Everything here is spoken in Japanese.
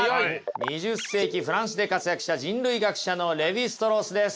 ２０世紀フランスで活躍した人類学者のレヴィ＝ストロースです。